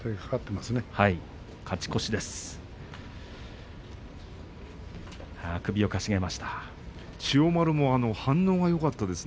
勝ち越しです。